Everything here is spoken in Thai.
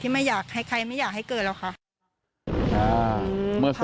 ไม่อยากให้ใครไม่อยากให้เกิดหรอกค่ะ